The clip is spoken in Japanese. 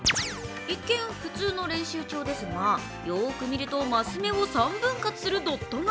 一見、普通の練習帳ですが、よく見ると升目を３分割するドットが。